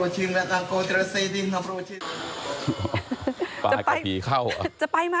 จะไปไหม